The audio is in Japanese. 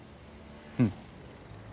うん。